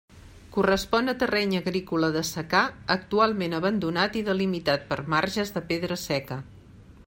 Correspon a terreny agrícola de secà actualment abandonat i delimitat per marges de pedra seca.